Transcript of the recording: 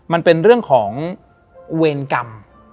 มันเป็นเรื่องของเวรกรรม